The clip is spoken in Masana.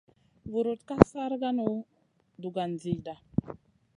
Vurutn ka sarkanu dugan zida.